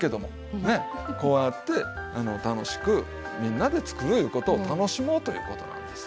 こうやって楽しくみんなで作るいうことを楽しもうということなんです。